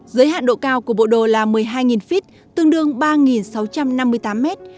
giới hạn độ cao của bộ đồ là một mươi hai feet tương đương ba sáu trăm năm mươi tám mét